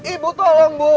ibu tolong bu